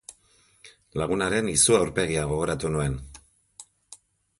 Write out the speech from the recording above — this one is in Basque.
Lagunaren izu aurpegia gogoratu nuen.